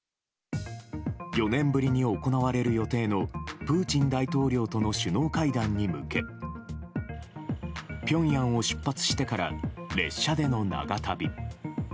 ４年ぶりに行われる予定のプーチン大統領との首脳会談に向け、ピョンヤンを出発してから列車での長旅。